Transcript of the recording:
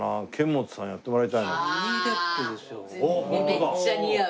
めっちゃ似合う。